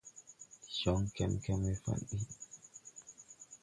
Ndi jɔŋ kɛmkɛm we fa̧ɗ ɓuy.